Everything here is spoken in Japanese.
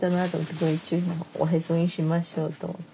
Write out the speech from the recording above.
これ中心おへそにしましょうと思って。